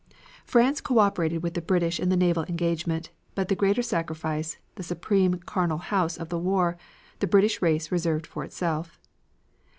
France co operated with the British in the naval engagement, but the greater sacrifice, the supreme charnel house of the war, the British race reserved for itself.